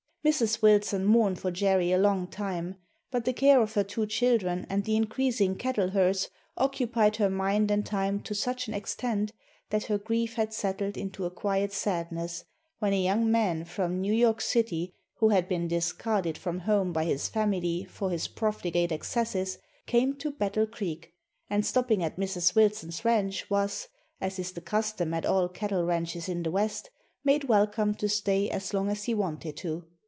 Mrs. Wilson mourned for Jerry a long time, but the care of her two children and the increasing cattle herds occupied her mind and time to such an extent that her grief had settled into a quiet sadness, when a young man from New York City, who had been discarded from home by his family for his profligate excesses, came to Battle Creek, and stopping at Mrs. Wilson's ranch was (as is the custom at all cattle ranches in the West) made welcome to stay as long as he wanted to.